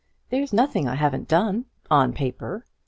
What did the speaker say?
There's nothing I haven't done on paper.